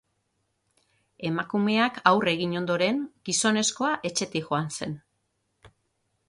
Emakumeak aurre egin ondoren, gizonezkoa etxetik joan zen.